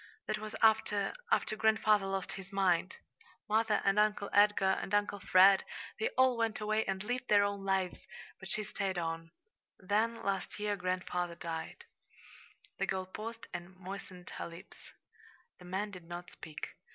That was after after grandfather lost his mind. Mother and Uncle Edgar and Uncle Fred they all went away and lived their own lives, but she stayed on. Then last year grandfather died." The girl paused and moistened her lips. The man did not speak.